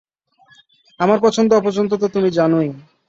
আমার পছন্দ-অপছন্দ তো তুমি জানোই।